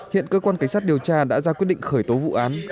hiện cơ quan cảnh sát điều tra đã ra quyết định khởi tố vụ án